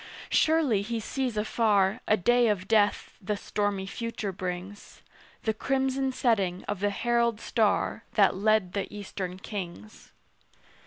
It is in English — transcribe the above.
Surely he sees afar A day of death the stormy future brings; The crimson setting of the herald star That led the Eastern kings.